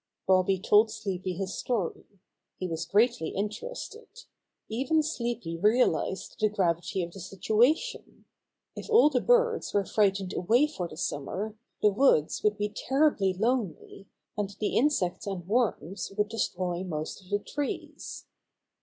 Bobby told Sleepy his story. He was greatly interested. Even Sleepy realized the gravity of the situation. If all the birds were frightened away for the summer, the woods would be terribly lonely, and the insects and worms would destroy most of the trees.